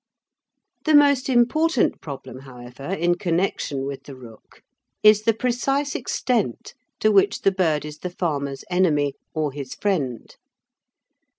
The most important problem however in connection with the rook is the precise extent to which the bird is the farmer's enemy or his friend.